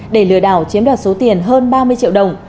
để lừa đảo chiếm đoạt số tiền hơn ba mươi triệu đồng